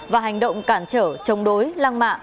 và hành động cản trở chống đối lăng mạ